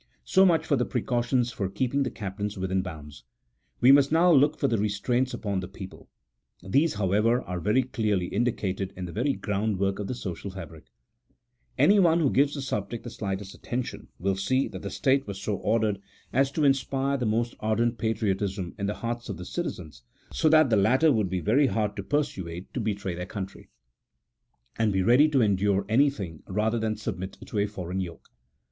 So much for the precautions for keeping the captains within bounds. We must now look for the restraints upon the people : these, however, are very clearly indicated in the very groundwork of the social fabric. Anyone who gives the subject the slightest attention, will see that the state was so ordered as to inspire the most ardent patriotism in the hearts of the citizens, so that the latter would be very hard to persuade to betray their country, •CHAP. XVII.] OF THE HEBREW THEOCRACY. 229 and be ready to endure anything rather than submit to a foreign yoke.